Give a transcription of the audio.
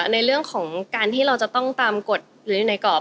ในเรื่องของการที่เราจะต้องตามกฎหรืออยู่ในกรอบ